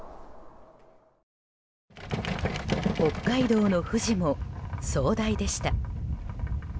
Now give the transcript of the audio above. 北海道の富士も壮大でした。